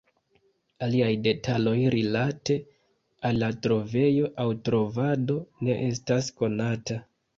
Aliaj detaloj rilate al la trovejo aŭ trovado ne estas konataj.